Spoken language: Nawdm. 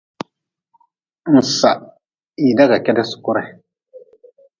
Nsah hii da ka kedi sukure.